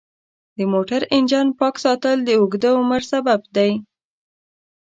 د موټر انجن پاک ساتل د اوږده عمر سبب دی.